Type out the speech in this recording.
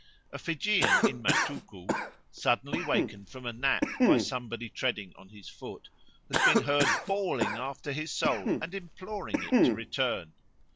A Fijian in Matuku, suddenly wakened from a nap by somebody treading on his foot, has been heard bawling after his soul and imploring it to return.